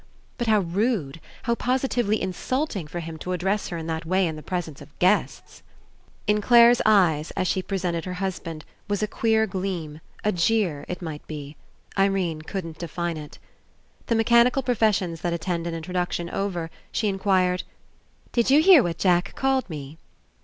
But how rude, how positively Insult ing, for him to address her in that way in the presence of guests ! In Clare's eyes, as she presented her husband, was a queer gleam, a jeer. It might be. Irene couldn't define It. The mechanical professions that attend 66 ENCOUNTER an introduction over, she inquired: *'Did you hear what Jack called me?'